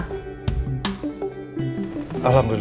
kenapa sih udah kejauhan gw